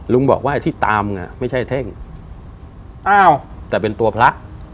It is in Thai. ลุงบอกว่าไอ้ที่ตามอ่ะไม่ใช่เท่งอ้าวแต่เป็นตัวพระ